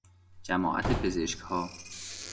جماعت پزشکها